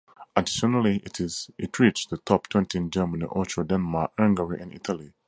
Additionally, it reached the top twenty in Germany, Austria, Denmark, Hungary and Italy.